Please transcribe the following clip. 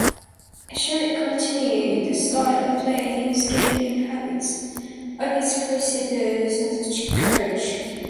Esherick continued the style of play and scheduling habits of his predecessor as coach.